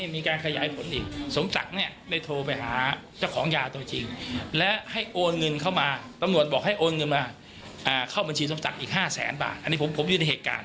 มีการขยายผลต่อไปแล้วมันน่าจะปิดในอื่น